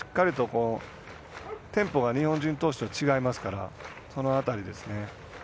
テンポが日本人投手と違いますのでその辺りですね。